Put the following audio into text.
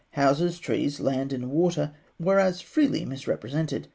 Houses, trees, land and water, were as freely misrepresented.